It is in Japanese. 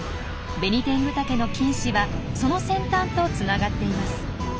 ベニテングタケの菌糸はその先端とつながっています。